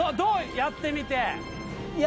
やってみていや